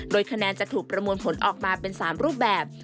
โดยคะแนนจะถูกประมวลผลออกมาเป็น๓รูปแบบ